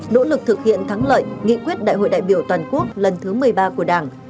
nỗ lực thực hiện thắng lợi nghị quyết đại hội đại biểu toàn quốc lần thứ một mươi ba của đảng